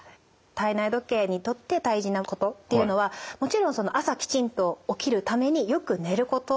体内時計にとって大事なことっていうのはもちろん朝きちんと起きるためによく寝ること